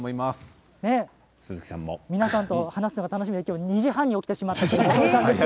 皆さんと話すのが楽しみで今日２時半に起きてしまったそうです。